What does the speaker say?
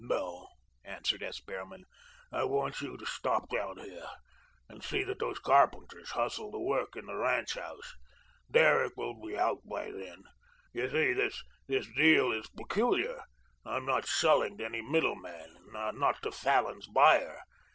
"No," answered S. Behrman, "I want you to stop down here, and see that those carpenters hustle the work in the ranch house. Derrick will be out by then. You see this deal is peculiar. I'm not selling to any middle man not to Fallon's buyer.